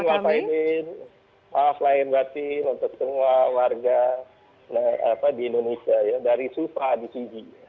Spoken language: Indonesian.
minal a'idin maaf lahir batin untuk semua warga di indonesia ya dari sufa di fiji